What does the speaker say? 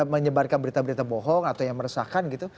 menyebarkan berita berita bohong atau yang meresahkan gitu